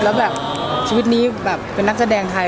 แล้วชีวิตนี้เป็นนักแสดงไทน์